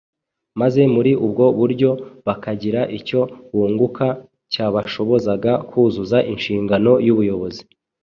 maze muri ubwo buryo bakagira icyo bunguka cyabashobozaga kuzuza inshingano y’ubuyobozi.